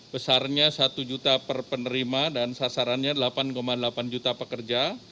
besarnya satu juta per penerima dan sasarannya delapan delapan juta pekerja